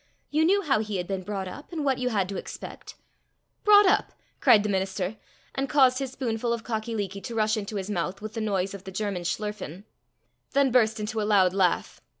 You knew how he had been brought up, and what you had to expect!" "Brought up!" cried the minister, and caused his spoonful of cockie leekie to rush into his mouth with the noise of the German schlürfen, then burst into a loud laugh.